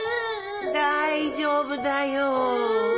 大丈夫だよ。